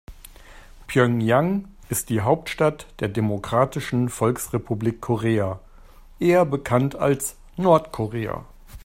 Pjöngjang ist die Hauptstadt der Demokratischen Volksrepublik Korea, eher bekannt als Nordkorea.